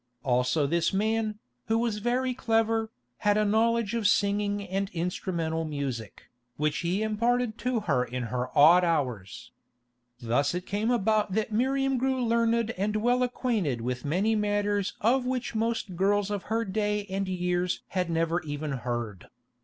Also this man, who was very clever, had a knowledge of singing and instrumental music, which he imparted to her in her odd hours. Thus it came about that Miriam grew learned and well acquainted with many matters of which most girls of her day and years had never even heard.